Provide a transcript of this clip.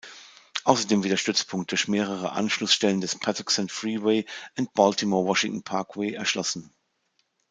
Außerdem wird der Stützpunkt durch mehrere Anschlussstellen des Patuxent Freeway und Baltimore-Washington Parkway erschlossen.